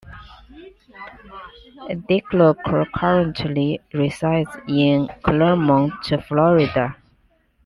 DeClercq currently resides in Clermont, Florida.